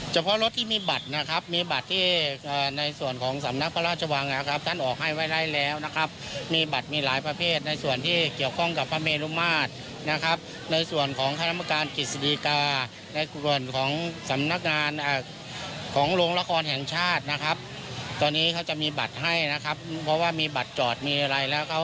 เฉพาะรถที่มีบัตรนะครับมีบัตรที่ในส่วนของสำนักพระราชวังนะครับท่านออกให้ไว้ได้แล้วนะครับมีบัตรมีหลายประเภทในส่วนที่เกี่ยวข้องกับพระเมรุมาตรนะครับในส่วนของคณะกรรมการกิจสดีกาในส่วนของสำนักงานของโรงละครแห่งชาตินะครับตอนนี้เขาจะมีบัตรให้นะครับเพราะว่ามีบัตรจอดมีอะไรแล้วครับ